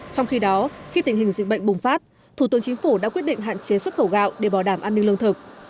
trong khi đó khi tình hình dịch bệnh bùng phát thủ tướng chính phủ đã quyết định hạn chế xuất khẩu gạo để bảo đảm an ninh lương thực